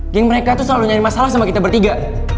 king mereka tuh selalu nyari masalah sama kita bertiga